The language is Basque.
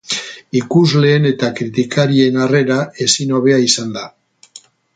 Ikusleen eta kritikarien harrera ezin hobea izan da.